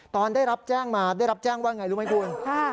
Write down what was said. ตอนได้รับแจ้งมาได้รับแจ้งว่าไงรู้ไหมคุณ